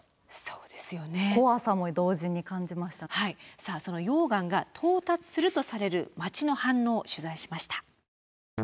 さあその溶岩が到達するとされる町の反応取材しました。